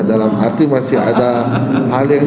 dalam arti masih ada hal yang